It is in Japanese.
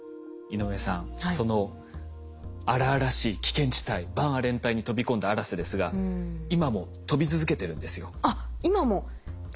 井上さんその荒々しい危険地帯バンアレン帯に飛び込んだ「あらせ」ですが今も飛び続けてるんですよ。